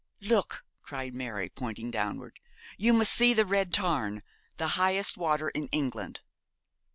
'Look,' cried Mary, pointing downward, 'you must see the Red Tarn, the highest water in England?'